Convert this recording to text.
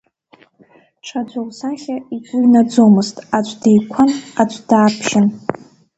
Ҽаӡә лсахьа игәы инаӡомызт, аӡә деиқәан, аӡә даԥшьын.